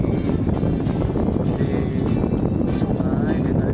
ini adalah bahan yang sangat menarik